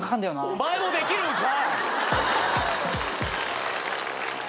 お前もできるんか。